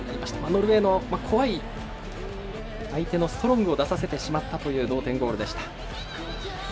ノルウェーの怖い相手のストロングを出させてしまったという同点ゴールでした。